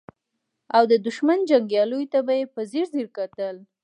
او د دښمن جنګياليو ته به يې په ځير ځير کتل.